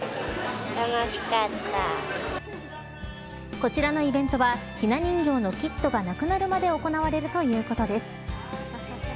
こちらのイベントはひな人形のキットがなくなるまで行われるということです。